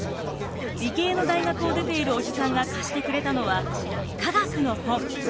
理系の大学を出ている叔父さんが貸してくれたのは科学の本。